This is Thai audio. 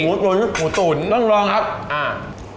ตุ๋นหมูตุ๋นต้องลองครับอ่า